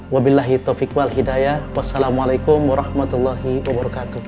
wa billahi taufiq wal hidayah wassalamualaikum warahmatullahi wabarakatuh